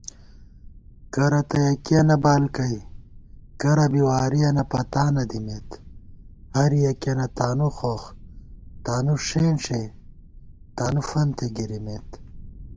کرہ تہ یَکِیَنہ بالکَئ کرہ بی وارِیَنہ پتانہ دِمېت * ہر یَکِیَنہ تانُو خوخ تانُو ݭېنݭےتانُوفنتےگِرِمېت